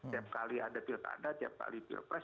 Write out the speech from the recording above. tiap kali ada pilkada tiap kali pilpres